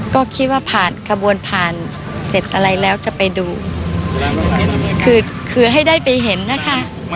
ก็คิดว่าผ่านขบวนผ่านเสร็จอะไรแล้วจะไปดูคือคือให้ได้ไปเห็นนะคะ